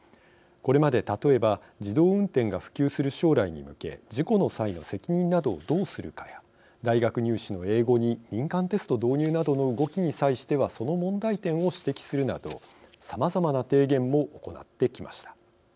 これまで例えば自動運転が普及する将来に向け事故の際の責任などをどうするかや大学入試の英語に民間テスト導入などの動きに際してはその問題点を指摘するなどさまざまな提言も行ってきました。